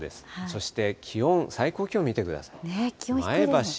そして気温、最高気温見てくださ気温低いです。